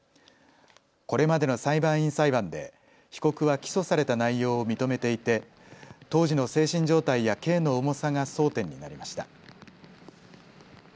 これまでの裁判員裁判で被告は起訴された内容を認めていて当時の精神状態や刑の重さが争点になりました。